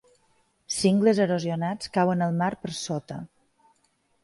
Cingles erosionats cauen al mar per sota.